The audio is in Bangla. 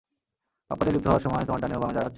পাপকাজে লিপ্ত হওয়ার সময় তোমার ডানে ও বামে যারা আছে।